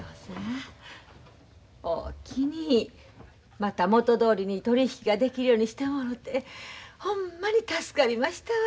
また元どおりに取り引きができるようにしてもろてほんまに助かりましたわ。